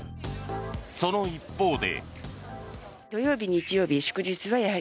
その一方で。